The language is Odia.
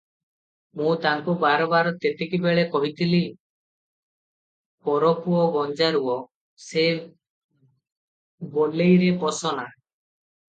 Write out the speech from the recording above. ମୁଁ ତାଙ୍କୁ ବାରବାର ତେତିକିବେଳେ କହିଥିଲି -'ପରପୁଅ ଗୁଞ୍ଜାରୁଅ' ସେ ବଲେଇରେ ପଶ ନା ।